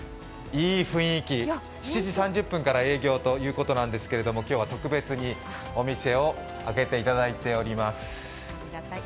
いい雰囲気、７時３０分から営業ということなんですけれども今日は特別にお店を開けていただいております。